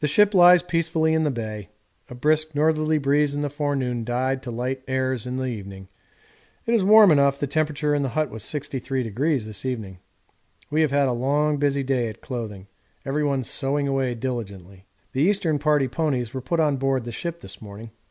The ship lies peacefully in the bay; a brisk northerly breeze in the forenoon died to light airs in the evening it is warm enough, the temperature in the hut was 63° this evening. We have had a long busy day at clothing everyone sewing away diligently. The Eastern Party ponies were put on board the ship this morning.